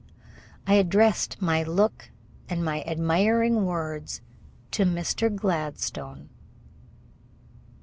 I addressed my look and my admiring words to Mr. Gladstone.